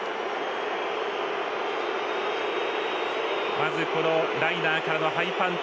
まず、ライナーからのハイパント。